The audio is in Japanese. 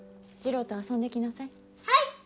次郎と遊んできなさい。